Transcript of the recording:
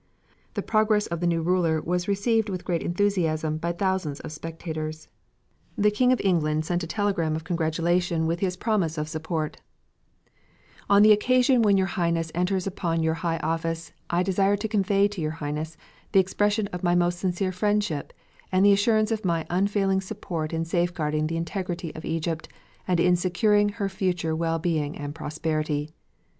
The progress of the new ruler was received with great enthusiasm by thousands of spectators. The King of England sent a telegram of congratulation with his promise of support: On the occasion when your Highness enters upon your high office I desire to convey to your Highness the expression of my most sincere friendship, and the assurance of my unfailing support in safeguarding the integrity of Egypt, and in securing her future well being and prosperity.